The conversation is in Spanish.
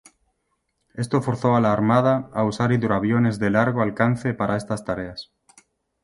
Esto forzó a la Armada a usar hidroaviones de largo alcance para estas tareas.